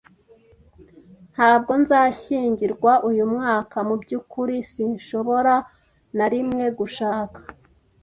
Ntabwo nzashyingirwa uyu mwaka. Mubyukuri, sinshobora na rimwe gushaka